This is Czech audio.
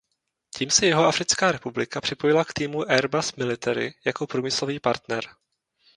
Tím se Jihoafrická republika připojila k týmu Airbus Military jako průmyslový partner.